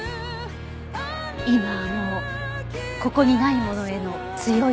今はもうここにないものへの強い思い。